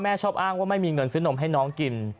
ชอบอ้างว่าไม่มีเงินซื้อนมให้น้องกิน